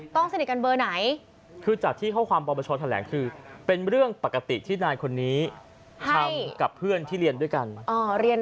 ต้องสนิทกันเบอร์ไหนหลายคนก็ถามนะต้องสนิทกันเบอร์ไหน